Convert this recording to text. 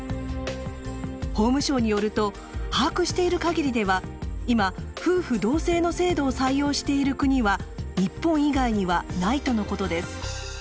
法務省によると「把握しているかぎり」では今夫婦同姓の制度を採用している国は日本以外にはないとのことです。